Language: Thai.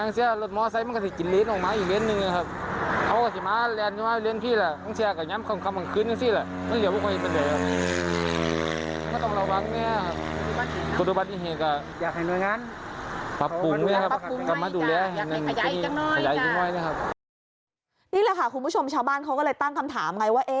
นี่แหละค่ะคุณผู้ชมชาวบ้านเขาก็เลยตั้งคำถามไงว่า